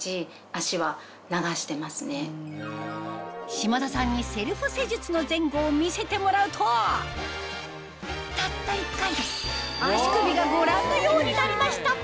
島田さんにセルフ施術の前後を見せてもらうとたった一回で足首がご覧のようになりました